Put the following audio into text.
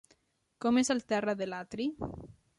Com és el terra de l'atri?